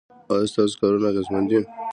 ایا ستاسو کارونه اغیزمن دي؟